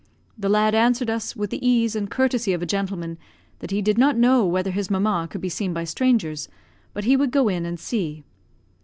The lad answered us, with the ease and courtesy of a gentleman, that he did not know whether his mamma could be seen by strangers, but he would go in and see.